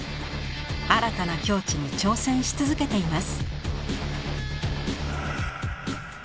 新たな境地に挑戦し続けています。